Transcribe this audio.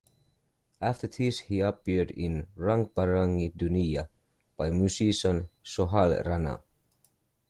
After this, he appeared in "Rung Barangi Duniya" by musician Sohail Rana.